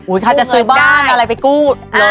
อุ้ยค่ะจะซื้อบ้านอะไรไปกู้เลย